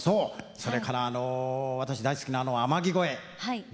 それからあの私大好きな「天城越え」ね？